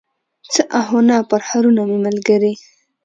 څه آهونه، پرهرونه مې ملګري